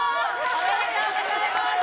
おめでとうございます。